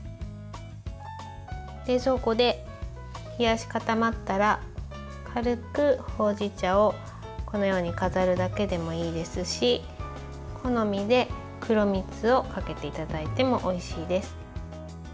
冷蔵庫で冷やし固まったら軽くほうじ茶を飾るだけでもいいですし好みで黒みつをかけていただいてもおいしいです。